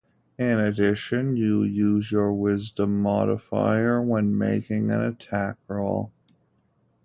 In addition, you use your Wisdom modifier when making an attack roll.